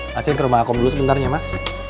mak mau ke rumah aku dulu sebentar ya mak